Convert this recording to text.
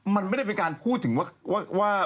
มันไม่ได้เป็นการพูดถึงว่า